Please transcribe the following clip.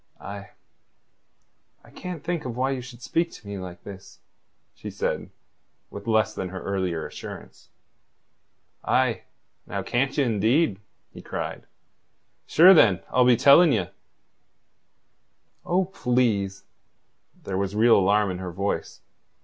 "I... I can't think why you should speak to me like this," she said, with less than her earlier assurance. "Ah, now, can't ye, indeed?" he cried. "Sure, then, I'll be telling ye." "Oh, please." There was real alarm in her voice.